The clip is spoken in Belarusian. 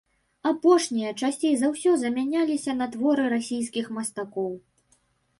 Апошнія часцей за ўсё замяняліся на творы расійскіх мастакоў.